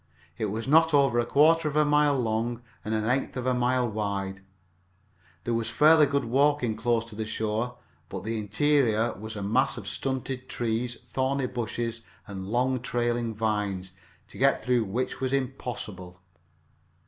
It was not over a quarter of a mile long and an eighth of a mile wide. There was fairly good walking close to the shore, but the interior was a mass of stunted trees, thorny bushes and long trailing vines, to get through which was impossible.